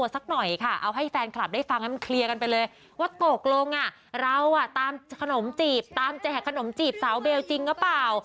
ว่าโกรธลงเราตามแห่ขนมจีบสาวเบลจริงหรือเปล่า